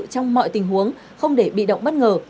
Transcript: trong mọi tình huống không để bị động bất ngờ